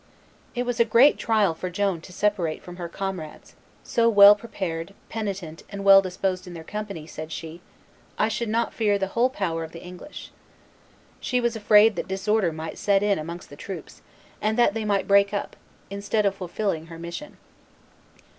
It was a great trial for Joan to separate from her comrades, "so well prepared, penitent, and well disposed; in their company," said she, "I should not fear the whole power of the English." She was afraid that disorder might set in amongst the troops, and that they might break up, instead of fulfilling her mission.